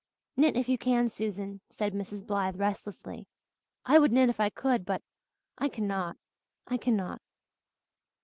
"Knit if you can, Susan," said Mrs. Blythe restlessly. "I would knit if I could but I cannot I cannot."